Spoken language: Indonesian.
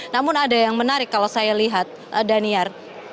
namun ada yang menarik kalau saya lihat daniar